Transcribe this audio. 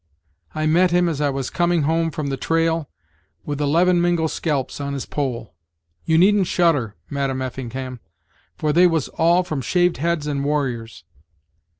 I met him as I was coming home from the trail, with eleven Mingo scalps on his pole. You needn't shudder, Madam Effingham, for they was all from shaved heads and warriors.